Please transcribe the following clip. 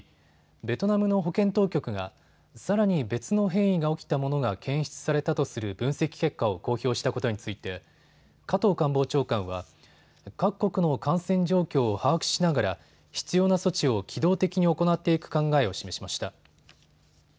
ベトナムの保健当局がさらに別の変異が起きたものが検出されたとする分析結果を公表したことについて加藤官房長官は各国の感染状況を把握しながら必要な措置を機動的に行っていく考えを示しました。